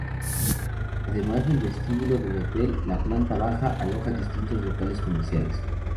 Además del vestíbulo del hotel, la planta baja aloja distintos locales comerciales.